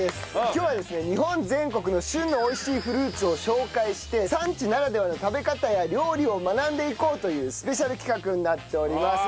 今日はですね日本全国の旬の美味しいフルーツを紹介して産地ならではの食べ方や料理を学んでいこうというスペシャル企画になっております。